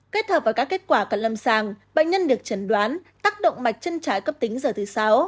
kết hợp với các kết quả cận lâm sàng bệnh nhân được chẩn đoán tác động mạch chân trái cấp tính giờ thứ sáu